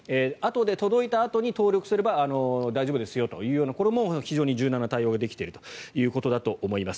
届いたあとに登録すれば大丈夫ですよというようなこれも非常に柔軟な対応ができているということだと思います。